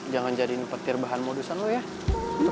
jangan jadi petir bahan modusan lo ya